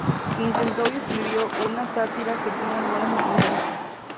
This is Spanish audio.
Intento y escribo una sátira que tiene buenas intenciones.